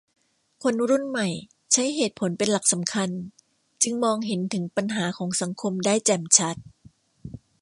คนรุ่นใหม่ใช้เหตุผลเป็นหลักสำคัญจึงมองเห็นถึงปัญหาของสังคมได้แจ่มชัด